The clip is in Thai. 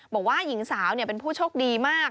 บอกว่าหญิงสาวเป็นผู้โชคดีมาก